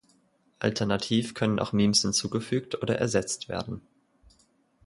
Alternativ können auch Memes hinzugefügt oder ersetzt werden.